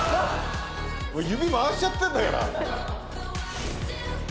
指回しちゃってんだから。